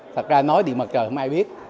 thật ra nói điện mặt trời không ai biết